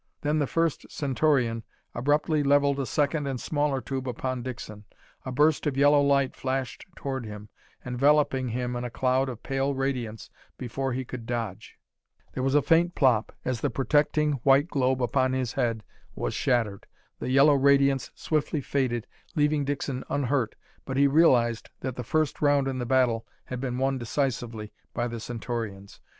Then the first Centaurian abruptly leveled a second and smaller tube upon Dixon. A burst of yellow light flashed toward him, enveloping him in a cloud of pale radiance before he could dodge. There was a faint plop as the protecting white globe upon his head was shattered. The yellow radiance swiftly faded, leaving Dixon unhurt, but he realized that the first round in the battle had been won decisively by the Centaurians.